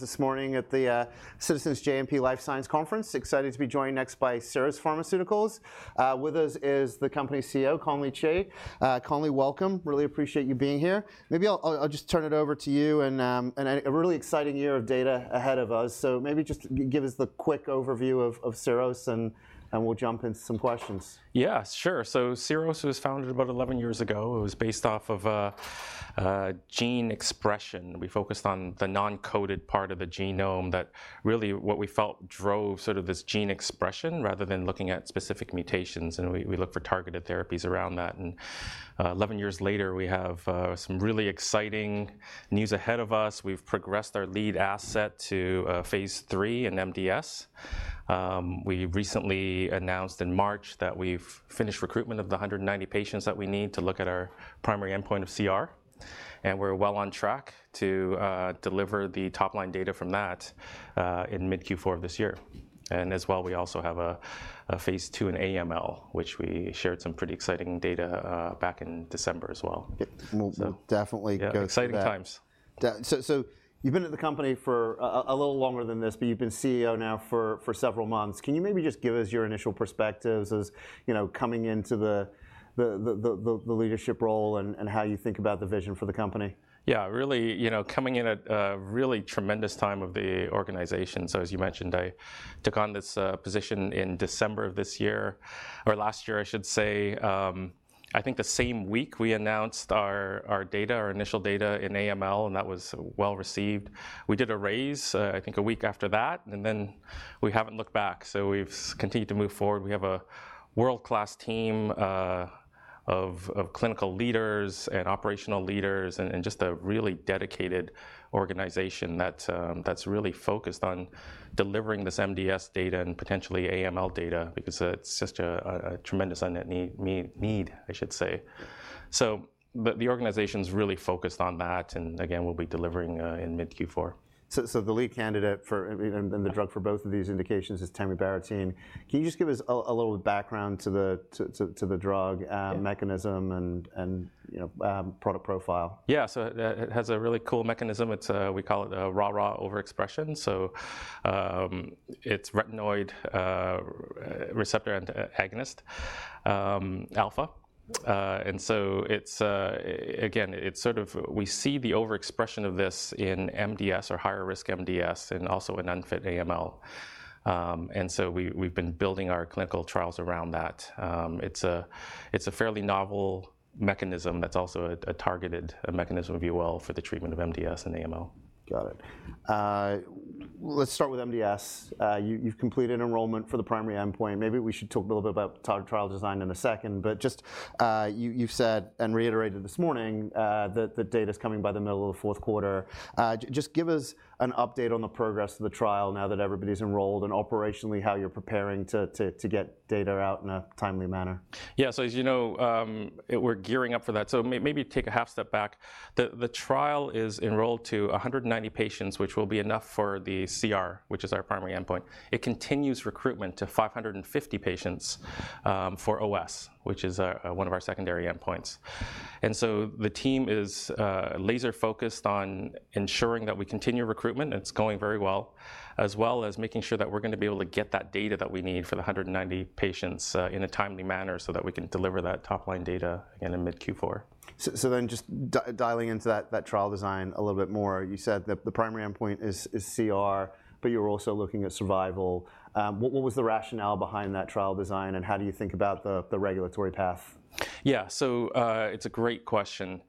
This morning at the Citizens JMP Life Science Conference. Excited to be joined next by Syros Pharmaceuticals. With us is the company's CEO, Conley Chee. Conley, welcome, really appreciate you being here. Maybe I'll just turn it over to you, and a really exciting year of data ahead of us. So maybe just give us the quick overview of Syros, and we'll jump into some questions. Yeah, sure. So Syros was founded about 11 years ago. It was based off of a gene expression. We focused on the non-coding part of the genome that really, what we felt drove sort of this gene expression, rather than looking at specific mutations, and we look for targeted therapies around that. 11 years later, we have some really exciting news ahead of us. We've progressed our lead asset to phase 3 in MDS. We recently announced in March that we've finished recruitment of the 190 patients that we need to look at our primary endpoint of CR, and we're well on track to deliver the top-line data from that in mid-Q4 of this year. As well, we also have a phase 2 in AML, which we shared some pretty exciting data back in December as well. Yeah. We'll- So- - definitely go through that. Yeah, exciting times. So, you've been at the company for a little longer than this, but you've been CEO now for several months. Can you maybe just give us your initial perspectives as, you know, coming into the leadership role and how you think about the vision for the company? Yeah, really, you know, coming in at a really tremendous time of the organization. So as you mentioned, I took on this position in December of this year, or last year, I should say. I think the same week we announced our data, our initial data in AML, and that was well-received. We did a raise, I think a week after that, and then we haven't looked back, so we've continued to move forward. We have a world-class team of clinical leaders and operational leaders, and just a really dedicated organization that's really focused on delivering this MDS data and potentially AML data because it's just a tremendous unmet need, I should say. So but the organization's really focused on that, and again, we'll be delivering in mid-Q4. The lead candidate for and the drug for both of these indications is tamibarotene. Can you just give us a little background to the drug? Yeah... mechanism and, you know, product profile? Yeah, so it has a really cool mechanism. It's, we call it a RARA overexpression. So, it's retinoic acid receptor alpha. And so it's, again, it's sort of we see the overexpression of this in MDS or higher-risk MDS and also in unfit AML. And so we, we've been building our clinical trials around that. It's a, it's a fairly novel mechanism that's also a targeted mechanism, if you will, for the treatment of MDS and AML. Got it. Let's start with MDS. You've completed enrollment for the primary endpoint. Maybe we should talk a little bit about trial design in a second, but just, you've said and reiterated this morning that the data's coming by the middle of the fourth quarter. Just give us an update on the progress of the trial now that everybody's enrolled, and operationally, how you're preparing to get data out in a timely manner. Yeah, so as you know, we're gearing up for that. So maybe take a half step back. The trial is enrolled to 190 patients, which will be enough for the CR, which is our primary endpoint. It continues recruitment to 550 patients, for OS, which is one of our secondary endpoints. And so the team is laser-focused on ensuring that we continue recruitment, it's going very well, as well as making sure that we're going to be able to get that data that we need for the 190 patients, in a timely manner so that we can deliver that top-line data again in mid-Q4. So then just dialing into that trial design a little bit more, you said that the primary endpoint is CR, but you're also looking at survival. What was the rationale behind that trial design, and how do you think about the regulatory path? Yeah, so, it's a great question.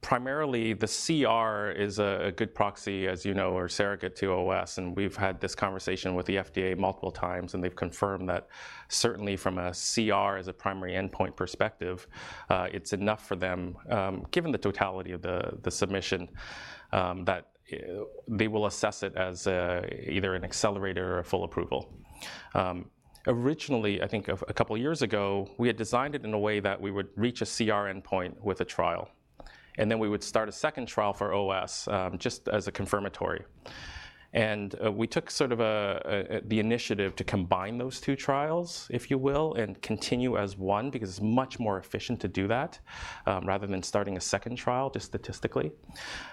Primarily, the CR is a good proxy, as you know, or surrogate to OS, and we've had this conversation with the FDA multiple times, and they've confirmed that certainly from a CR as a primary endpoint perspective, it's enough for them, given the totality of the submission, that they will assess it as either an accelerator or a full approval. Originally, I think a couple of years ago, we had designed it in a way that we would reach a CR endpoint with a trial, and then we would start a second trial for OS, just as a confirmatory. We took sort of the initiative to combine those two trials, if you will, and continue as one because it's much more efficient to do that, rather than starting a second trial, just statistically.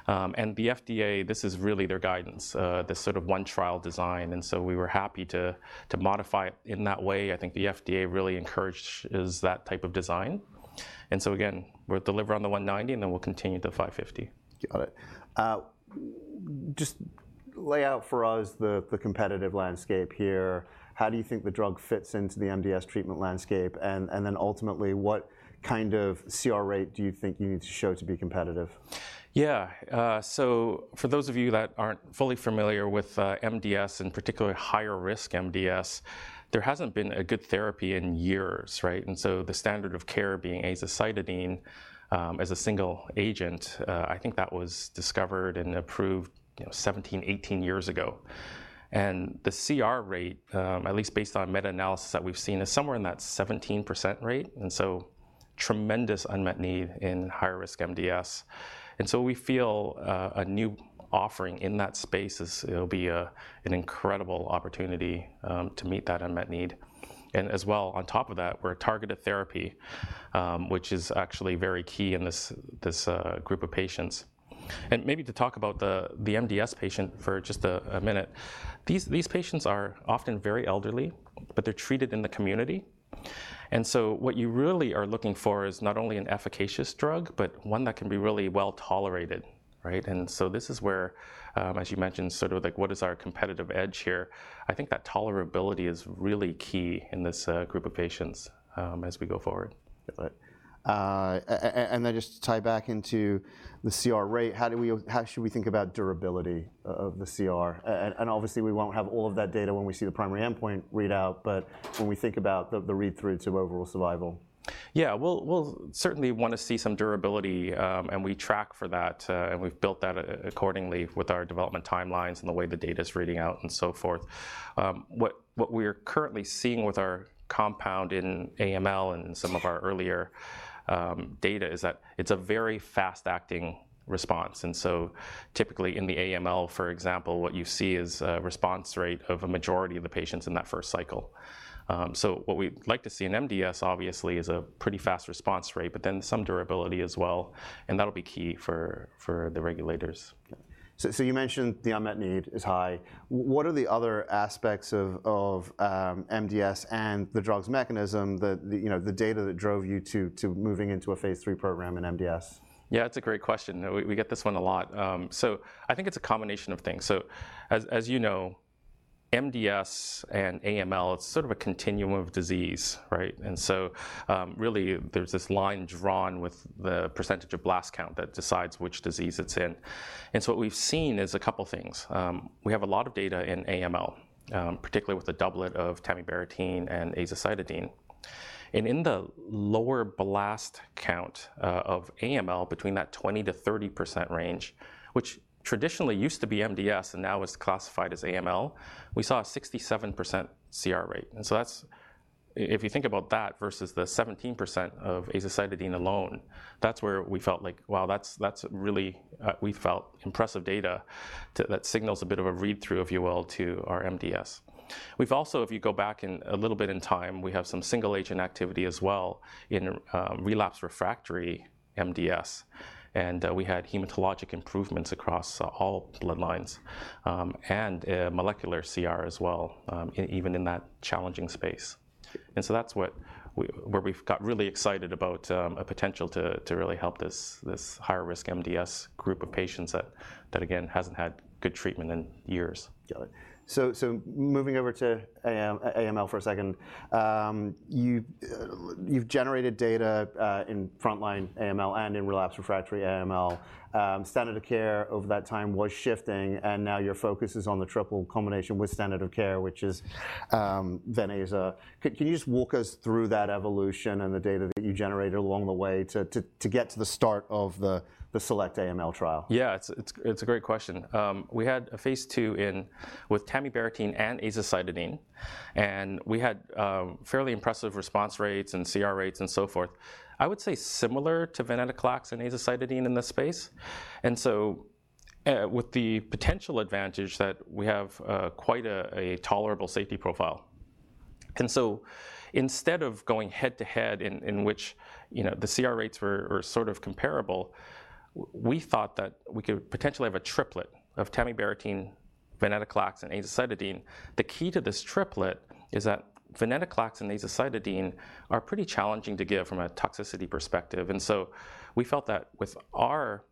The FDA, this is really their guidance, this sort of one trial design, and so we were happy to modify it in that way. I think the FDA really encouraged is that type of design. So again, we'll deliver on the 190, and then we'll continue to 550. Got it. Just lay out for us the competitive landscape here. How do you think the drug fits into the MDS treatment landscape? Then ultimately, what kind of CR rate do you think you need to show to be competitive? Yeah, so for those of you that aren't fully familiar with MDS, and particularly higher risk MDS, there hasn't been a good therapy in years, right? And so the standard of care being azacitidine, as a single agent, I think that was discovered and approved, you know, 17, 18 years ago. And the CR rate, at least based on meta-analysis that we've seen, is somewhere in that 17% rate, and so tremendous unmet need in high-risk MDS. And so we feel a new offering in that space is... It'll be an incredible opportunity to meet that unmet need. And as well, on top of that, we're a targeted therapy, which is actually very key in this group of patients... and maybe to talk about the MDS patient for just a minute. These patients are often very elderly, but they're treated in the community, and so what you really are looking for is not only an efficacious drug, but one that can be really well-tolerated, right? And so this is where, as you mentioned, sort of like, what is our competitive edge here? I think that tolerability is really key in this group of patients, as we go forward. Got it. And then just to tie back into the CR rate, how should we think about durability of the CR? And obviously we won't have all of that data when we see the primary endpoint readout, but when we think about the read-through to overall survival. Yeah, we'll certainly want to see some durability, and we track for that, and we've built that accordingly with our development timelines and the way the data's reading out, and so forth. What we're currently seeing with our compound in AML and some of our earlier data is that it's a very fast-acting response, and so typically in the AML, for example, what you see is a response rate of a majority of the patients in that first cycle. So what we'd like to see in MDS, obviously, is a pretty fast response rate, but then some durability as well, and that'll be key for the regulators. So you mentioned the unmet need is high. What are the other aspects of MDS and the drug's mechanism that, you know, the data that drove you to moving into a phase 3 program in MDS? Yeah, it's a great question. We get this one a lot. So I think it's a combination of things. So as you know, MDS and AML, it's sort of a continuum of disease, right? And so really, there's this line drawn with the percentage of blast count that decides which disease it's in, and so what we've seen is a couple things. We have a lot of data in AML, particularly with the doublet of tamibarotene and azacitidine. And in the lower blast count of AML between that 20%-30% range, which traditionally used to be MDS and now is classified as AML, we saw a 67% CR rate, and so that's... If you think about that versus the 17% of azacitidine alone, that's where we felt like, wow, that's, that's really, we felt impressive data that signals a bit of a read-through, if you will, to our MDS. We've also, if you go back in, a little bit in time, we have some single-agent activity as well in, relapse refractory MDS, and we had hematologic improvements across, all bloodlines, and molecular CR as well, even in that challenging space. And so that's what where we've got really excited about, a potential to, to really help this, this higher-risk MDS group of patients that, that again, hasn't had good treatment in years. Got it. So moving over to AML for a second, you've generated data in frontline AML and in relapse refractory AML. Standard of care over that time was shifting, and now your focus is on the triple combination with standard of care, which is venaza. Can you just walk us through that evolution and the data that you generated along the way to get to the start of the SELECT-AML trial? Yeah, it's a great question. We had a Phase 2 with tamibarotene and azacitidine, and we had fairly impressive response rates and CR rates, and so forth. I would say similar to venetoclax and azacitidine in this space, and so, with the potential advantage that we have, quite a tolerable safety profile. And so instead of going head-to-head in which, you know, the CR rates were sort of comparable, we thought that we could potentially have a triplet of tamibarotene, venetoclax, and azacitidine. The key to this triplet is that venetoclax and azacitidine are pretty challenging to give from a toxicity perspective, and so we felt that with our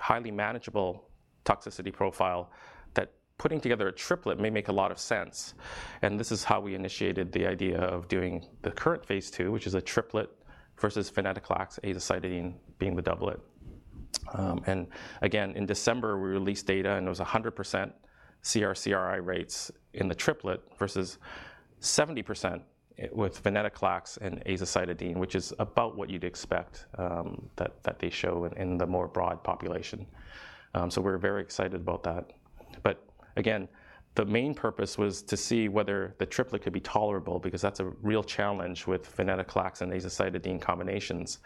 highly manageable toxicity profile, that putting together a triplet may make a lot of sense, and this is how we initiated the idea of doing the current phase 2, which is a triplet versus venetoclax azacitidine being the doublet. And again, in December, we released data, and it was 100% CR/CRI rates in the triplet versus 70% with venetoclax and azacitidine, which is about what you'd expect, that, that they show in the more broad population. So we're very excited about that. But again, the main purpose was to see whether the triplet could be tolerable because that's a real challenge with venetoclax and azacitidine combinations,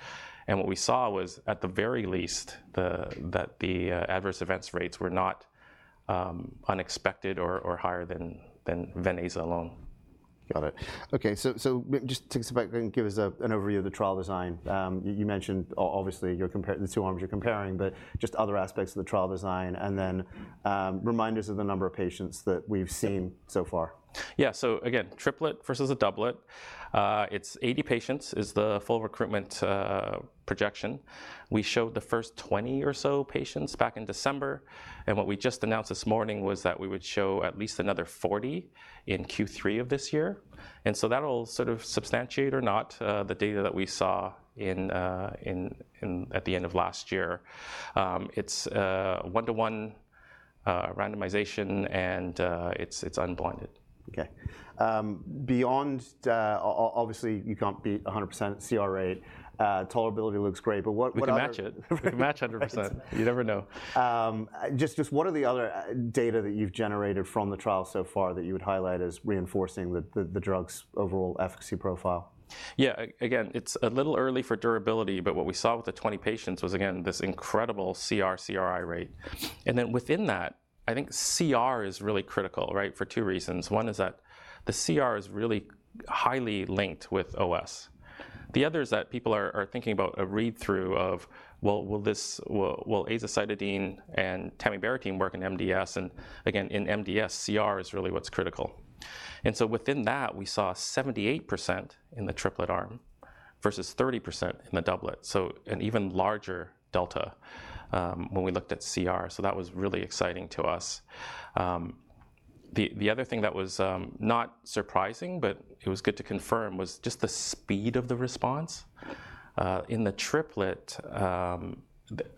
and what we saw was, at the very least, that the adverse events rates were not unexpected or higher than venaza alone. Got it. Okay, so just take us back and give us an overview of the trial design. You mentioned, obviously, you're comparing the two arms you're comparing, but just other aspects of the trial design, and then reminders of the number of patients that we've seen so far. Yeah, so again, triplet versus a doublet. It's 80 patients is the full recruitment projection. We showed the first 20 or so patients back in December, and what we just announced this morning was that we would show at least another 40 in Q3 of this year, and so that'll sort of substantiate or not the data that we saw at the end of last year. It's one-to-one randomization, and it's unblinded. Okay. Beyond, obviously, you can't beat 100% CR rate. Tolerability looks great, but what, what other- We can match it. We can match 100%. Right. You never know. Just what are the other data that you've generated from the trial so far that you would highlight as reinforcing the drug's overall efficacy profile? Yeah, again, it's a little early for durability, but what we saw with the 20 patients was, again, this incredible CR/CRI rate, and then within that, I think CR is really critical, right? For two reasons. One is that the CR is really highly linked with OS. The other is that people are thinking about a read-through of, well, will this azacitidine and tamibarotene work in MDS? And again, in MDS, CR is really what's critical. And so within that, we saw 78% in the triplet arm versus 30% in the doublet, so an even larger delta, when we looked at CR. So that was really exciting to us. The other thing that was not surprising, but it was good to confirm, was just the speed of the response. In the triplet,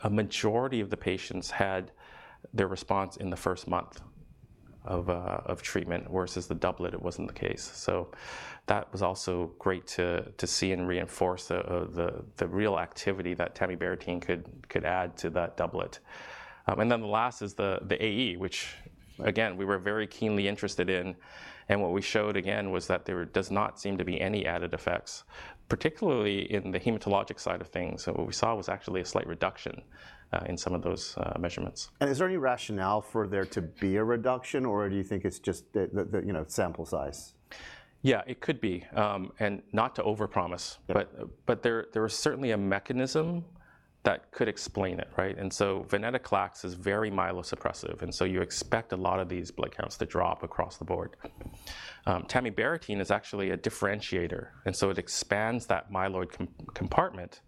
a majority of the patients had their response in the first month of treatment, versus the doublet, it wasn't the case. So that was also great to see and reinforce the real activity that tamibarotene could add to that doublet. And then the last is the AE, which again, we were very keenly interested in, and what we showed again, was that there does not seem to be any added effects, particularly in the hematologic side of things. So what we saw was actually a slight reduction in some of those measurements. Is there any rationale for there to be a reduction, or do you think it's just the, you know, sample size? Yeah, it could be. And not to overpromise- Yeah... but, but there, there is certainly a mechanism that could explain it, right? And so venetoclax is very myelosuppressive, and so you expect a lot of these blood counts to drop across the board. tamibarotene is actually a differentiator, and so it expands that myeloid compartment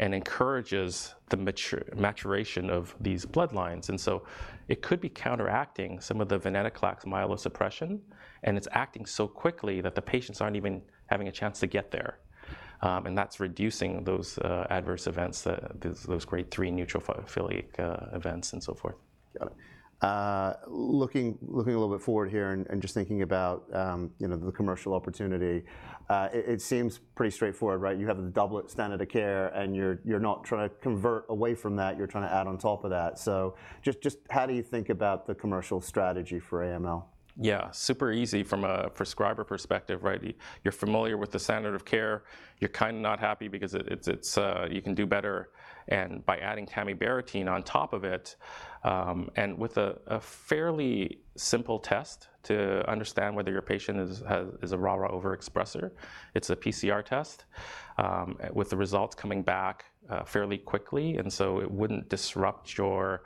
and encourages the maturation of these bloodlines, and so it could be counteracting some of the venetoclax myelosuppression, and it's acting so quickly that the patients aren't even having a chance to get there. That's reducing those adverse events, the those grade 3 neutropenic events, and so forth. Got it. Looking a little bit forward here and just thinking about, you know, the commercial opportunity, it seems pretty straightforward, right? You have the doublet standard of care, and you're not trying to convert away from that, you're trying to add on top of that. So just how do you think about the commercial strategy for AML? Yeah, super easy from a prescriber perspective, right? You're familiar with the standard of care. You're kind of not happy because it... You can do better, and by adding tamibarotene on top of it, and with a fairly simple test to understand whether your patient is a RARA overexpresser. It's a PCR test, with the results coming back fairly quickly, and so it wouldn't disrupt your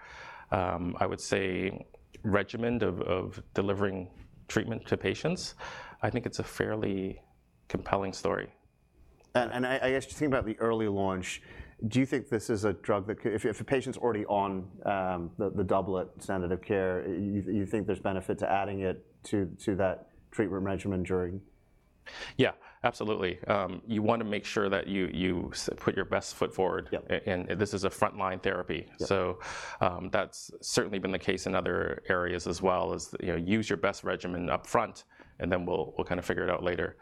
regimen of delivering treatment to patients. I think it's a fairly compelling story. I guess just thinking about the early launch, do you think this is a drug that if a patient's already on the doublet standard of care, you think there's benefit to adding it to that treatment regimen during? Yeah, absolutely. You want to make sure that you put your best foot forward- Yeah... and this is a front-line therapy. Yeah. So, that's certainly been the case in other areas as well, you know, use your best regimen upfront, and then we'll kind of figure it out later.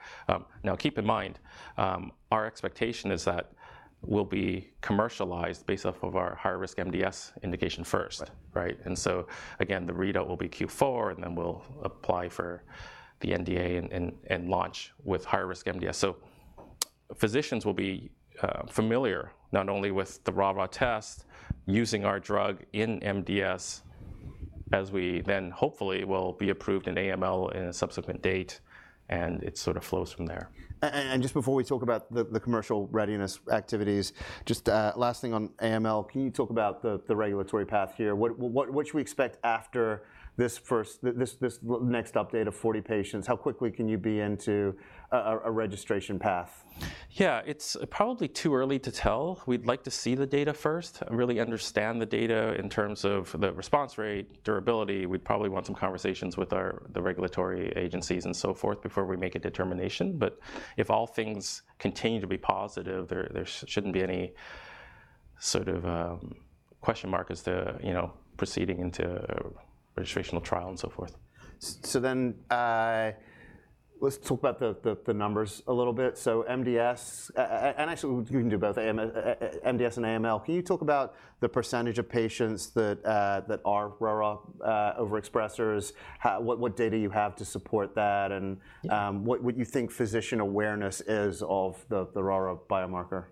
Now keep in mind, our expectation is that we'll be commercialized based off of our high-risk MDS indication first. Right. Right? And so, again, the readout will be Q4, and then we'll apply for the NDA and launch with high-risk MDS. So physicians will be familiar, not only with the RARA test, using our drug in MDS, as we then hopefully will be approved in AML in a subsequent date, and it sort of flows from there. And just before we talk about the commercial readiness activities, just last thing on AML, can you talk about the regulatory path here? What should we expect after this first... this next update of 40 patients? How quickly can you be into a registration path? Yeah, it's probably too early to tell. We'd like to see the data first and really understand the data in terms of the response rate, durability. We'd probably want some conversations with our, the regulatory agencies and so forth before we make a determination. But if all things continue to be positive, there shouldn't be any sort of question mark as to, you know, proceeding into a registrational trial and so forth. So then, let's talk about the numbers a little bit. So MDS and actually, we can do both, MDS and AML. Can you talk about the percentage of patients that are RARA overexpressers? How... What data you have to support that, and- Yeah... what you think physician awareness is of the RARA biomarker?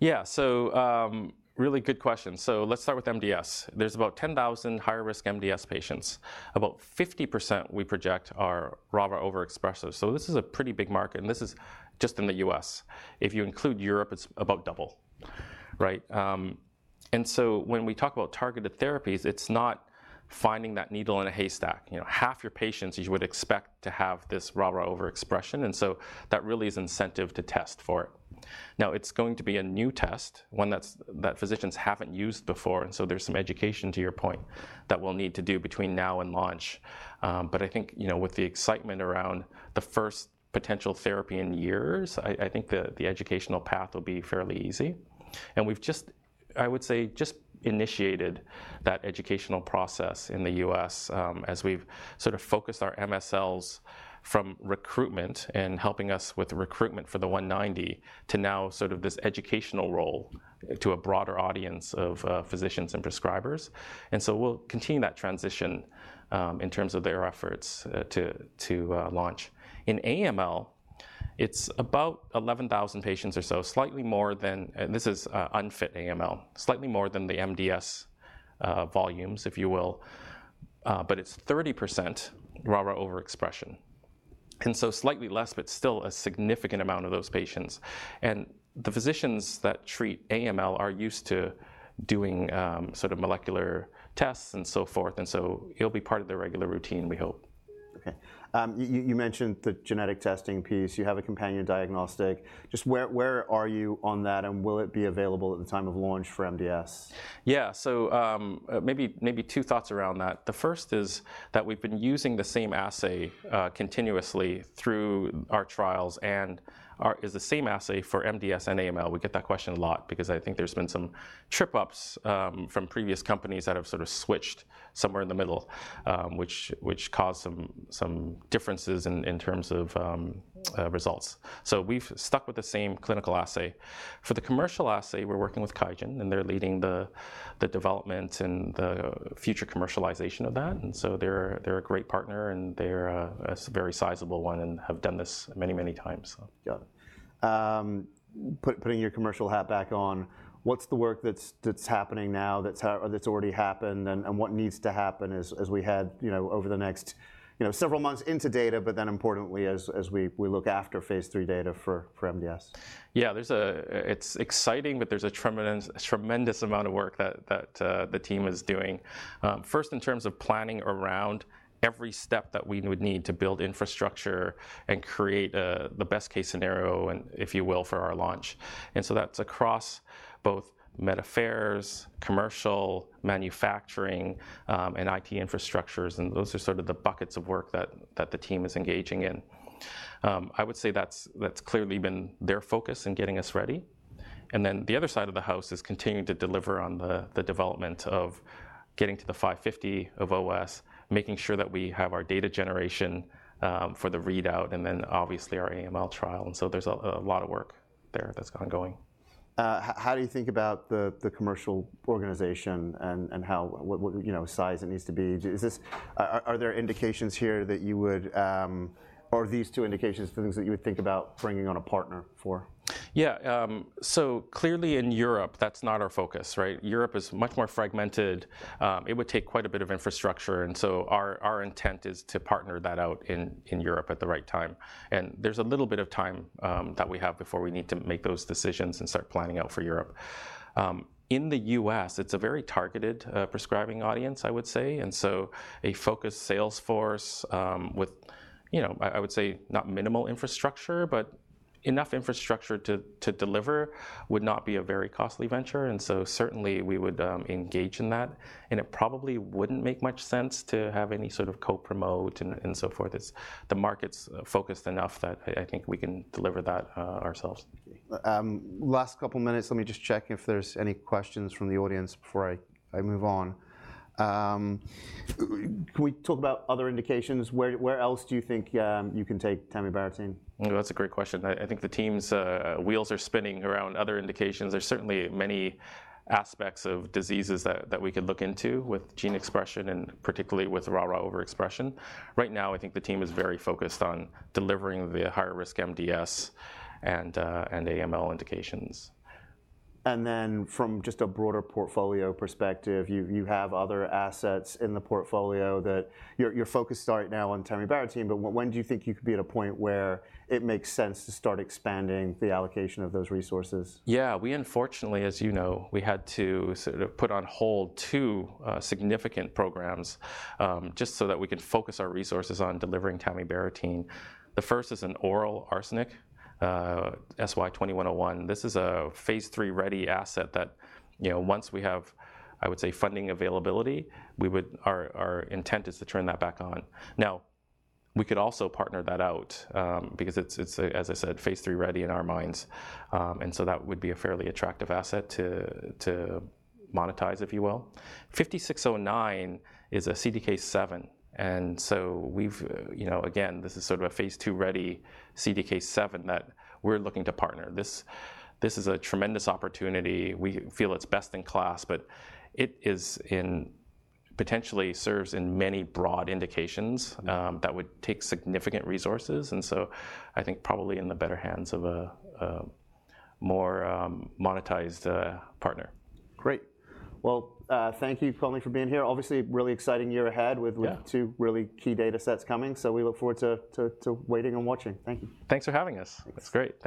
Yeah, so, really good question. So let's start with MDS. There's about 10,000 high-risk MDS patients. About 50%, we project, are RARA overexpressers, so this is a pretty big market, and this is just in the U.S. If you include Europe, it's about double, right? And so when we talk about targeted therapies, it's not finding that needle in a haystack. You know, half your patients you would expect to have this RARA overexpression, and so that really is incentive to test for it. Now, it's going to be a new test, one that's, that physicians haven't used before, and so there's some education, to your point, that we'll need to do between now and launch. But I think, you know, with the excitement around the first potential therapy in years, I, I think the, the educational path will be fairly easy. We've just, I would say, just initiated that educational process in the US, as we've sort of focused our MSLs from recruitment and helping us with recruitment for the 190, to now sort of this educational role to a broader audience of physicians and prescribers. And so we'll continue that transition in terms of their efforts to launch. In AML, it's about 11,000 patients or so, slightly more than, and this is unfit AML, slightly more than the MDS volumes, if you will. But it's 30% RARA overexpression, and so slightly less, but still a significant amount of those patients. And the physicians that treat AML are used to doing sort of molecular tests and so forth, and so it'll be part of their regular routine, we hope. Okay. You mentioned the genetic testing piece. You have a companion diagnostic. Just where are you on that, and will it be available at the time of launch for MDS? Yeah, so maybe two thoughts around that. The first is that we've been using the same assay continuously through our trials, and ours is the same assay for MDS and AML. We get that question a lot because I think there's been some trip-ups from previous companies that have sort of switched somewhere in the middle, which caused some differences in terms of results. So we've stuck with the same clinical assay. For the commercial assay, we're working with QIAGEN, and they're leading the development and the future commercialization of that, and so they're a great partner, and they're a very sizable one and have done this many, many times, so. Got it. Putting your commercial hat back on, what's the work that's happening now, that's already happened, and what needs to happen as we head, you know, over the next, you know, several months into data, but then importantly, as we look after Phase 3 data for MDS? Yeah, there's a... It's exciting, but there's a tremendous amount of work that the team is doing. First, in terms of planning around every step that we would need to build infrastructure and create the best-case scenario, and if you will, for our launch, and so that's across both med affairs, commercial, manufacturing, and IT infrastructures, and those are sort of the buckets of work that the team is engaging in. I would say that's clearly been their focus in getting us ready, and then the other side of the house is continuing to deliver on the development of getting to the 550 of OS, making sure that we have our data generation for the readout, and then obviously our AML trial, and so there's a lot of work there that's ongoing. How do you think about the commercial organization and how what size it needs to be? You know, is this, are there indications here that you would, or are these two indications for things that you would think about bringing on a partner for? Yeah, so clearly in Europe, that's not our focus, right? Europe is much more fragmented. It would take quite a bit of infrastructure, and so our intent is to partner that out in Europe at the right time, and there's a little bit of time that we have before we need to make those decisions and start planning out for Europe. In the U.S., it's a very targeted prescribing audience, I would say, and so a focused sales force, with, you know, I would say not minimal infrastructure, but enough infrastructure to deliver would not be a very costly venture, and so certainly we would engage in that, and it probably wouldn't make much sense to have any sort of co-promote and so forth. It's... The market's focused enough that I think we can deliver that ourselves. Last couple minutes, let me just check if there's any questions from the audience before I move on. Can we talk about other indications? Where else do you think you can take tamibarotene? Oh, that's a great question. I think the team's wheels are spinning around other indications. There's certainly many aspects of diseases that we could look into with gene expression and particularly with RARA overexpression. Right now, I think the team is very focused on delivering the higher-risk MDS and AML indications. Then from just a broader portfolio perspective, you have other assets in the portfolio that... You're focused right now on tamibarotene, but when do you think you could be at a point where it makes sense to start expanding the allocation of those resources? Yeah, we unfortunately, as you know, we had to sort of put on hold 2 significant programs, just so that we could focus our resources on delivering tamibarotene. The first is an oral arsenic, SY-2101. This is a Phase 3-ready asset that, you know, once we have, I would say, funding availability, we would... Our intent is to turn that back on. Now, we could also partner that out, because it's, as I said, Phase 3-ready in our minds, and so that would be a fairly attractive asset to monetize, if you will. SY-5609 is a CDK7, and so we've, you know, again, this is sort of a Phase 2-ready CDK7 that we're looking to partner. This is a tremendous opportunity. We feel it's best in class, but it potentially serves in many broad indications that would take significant resources, and so I think probably in the better hands of a more monetized partner. Great. Well, thank you, Conley, for being here. Obviously, a really exciting year ahead. Yeah... with two really key data sets coming, so we look forward to waiting and watching. Thank you. Thanks for having us. It's great.